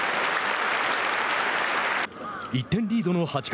１点リードの８回。